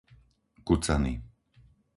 Kucany